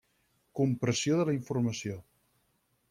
Compressió de la informació.